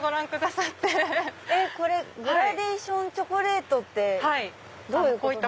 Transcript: グラデーションチョコレートってどういうことなんですか？